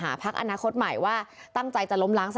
การใช้ความเท็จจุงใจให้ผู้มีสิทธิ์เลือกตั้งไม่เลือกพักอนาคตใหม่